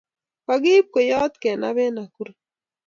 Kakaib kweyot kenab en Nakuru